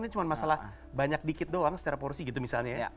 ini cuma masalah banyak dikit doang secara porsi gitu misalnya ya